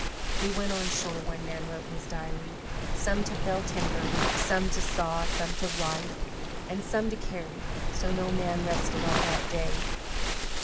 "We went on shore," one man wrote in his diary, "some to fell timber, some to saw, some to rive, and some to carry; so no man rested all that day."